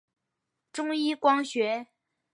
中一光学。